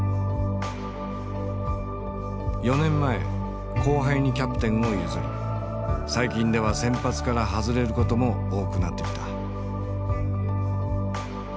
４年前後輩にキャプテンを譲り最近では先発から外れることも多くなってきた。